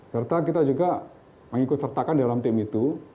serta kita juga mengikut sertakan dalam tim itu